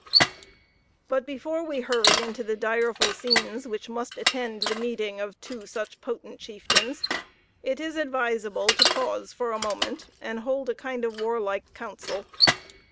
But before we hurry into the direful scenes which must attend the meeting of two such potent chieftains, it is advisable to pause for a moment, and hold a kind of warlike council.